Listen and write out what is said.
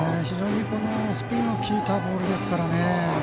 非常にスピンの利いたボールですからね。